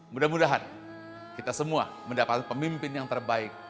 mudah mudahan kita semua mendapatkan pemimpin yang terbaik